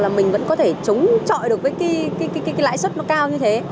hoặc là mình vẫn có thể chống chọi được cái lãi suất nó cao như thế